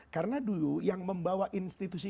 karena dulu yang membawa institusi